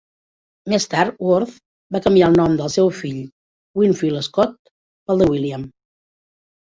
Més tard, Worth va canviar el nom del seu fill Winfield Scott pel de William.